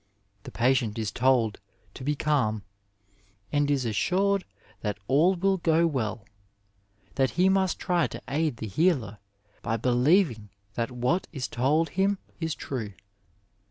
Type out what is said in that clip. " The patient is told to be calm, and is assured that all will go well ; that he must try to aid the healer by believing that what is told him is true.